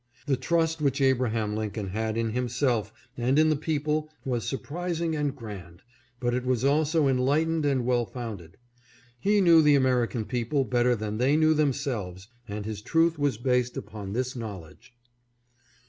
The trust which Abraham Lincoln had in himself and in the people was surprising and grand, but it was also enlightened and well founded. He knew the American people better than they knew them selves and his truth was based upon this knowledge.